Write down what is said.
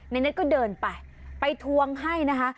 เน็ตก็เดินไปไปทวงให้นะคะ